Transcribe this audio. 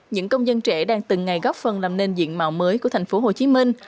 những công dân trẻ đang từng ngày góp phần làm nên diện mạo mới của thành phố hồ chí minh